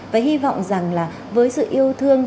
và hy vọng rằng là với sự yêu thương